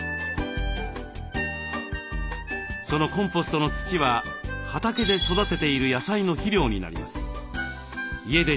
そのコンポストの土は畑で育てている野菜の肥料になります。